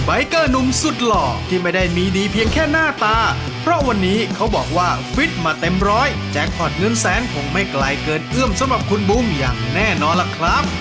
อาจจะไม่ได้เร็วมากอาจจะไม่ได้รุมจริงมาก